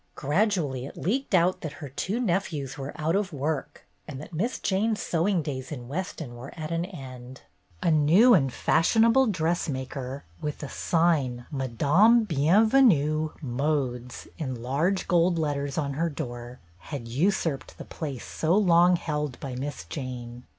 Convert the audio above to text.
Gradually it leaked out that her two nephews were out of work and that Miss Jane's sewing 1 64 BETTY BAIRD'S GOLDEN YEAR days in Weston were at an end. A new and fashionable dressmaker, with the sign "Ma dame Bienvenu, Modes" in large gold letters on her door, had usurped the place so long held by Miss Jane.